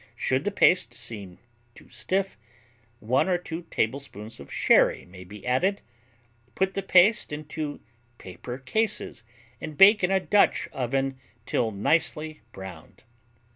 Should the paste seem too stiff, 1 or 2 tablespoons of sherry may be added. Put the paste into paper cases, and bake in a Dutch oven till nicely browned.